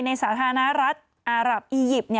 สาธารณรัฐอารับอียิปต์